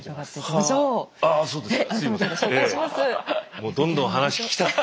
もうどんどん話聞きたくて。